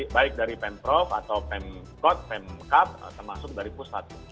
baik dari pemprov atau pemkot pemkap termasuk dari pusat